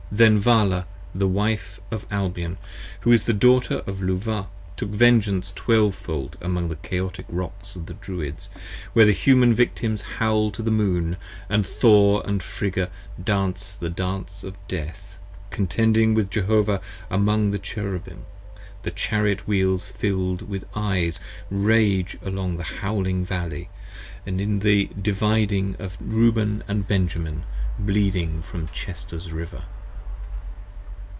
73 L Then Vala the Wife of Albion, who is the Daughter of Luvah, Took vengeance Twelve fold among the Chaotic Rocks of the Druids, Where the Human Victims howl to the Moon, & Thor & Friga 10 Dance the dance of death, contending with Jehovah among the Cherubim. The Chariot Wheels filled with Eyes rage along the howling Valley, In the Dividing of Reuben & Benjamin bleeding from Chester's River.